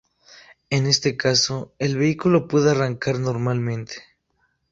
En este caso, el vehículo puede arrancar normalmente.